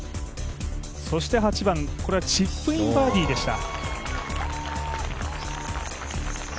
そして８番、これはチップインバーディーでした。